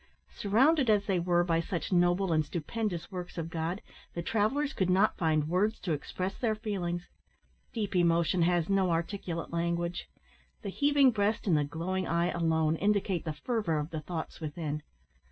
Surrounded as they were by such noble and stupendous works of God, the travellers could not find words to express their feelings. Deep emotion has no articulate language. The heaving breast and the glowing eye alone indicate the fervour of the thoughts within.